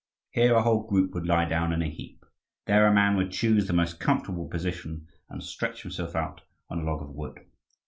Here a whole group would lie down in a heap; there a man would choose the most comfortable position and stretch himself out on a log of wood.